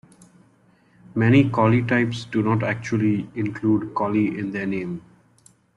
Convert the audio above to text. Many collie types do not actually include "collie" in their name.